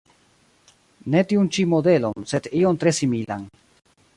Ne tiun ĉi modelon, sed ion tre similan.